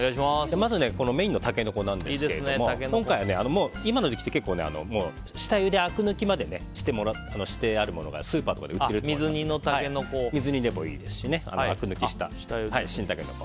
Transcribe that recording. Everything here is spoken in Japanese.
まずメインのタケノコですが今の時期って下ゆで、あく抜きまでしてあるものがスーパーでも売ってますので水煮でもいいですしあく抜きした新タケノコ。